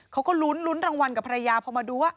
เขาก็ลุ้นลุ้นรางวัลกับภรรยาพอมาดูว่า